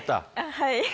はい。